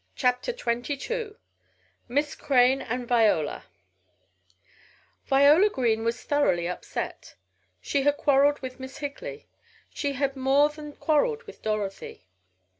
CHAPTER XXII MISS CRANE AND VIOLA Viola Green was thoroughly upset. She had quarreled with Miss Higley. She had more than quarreled with Dorothy.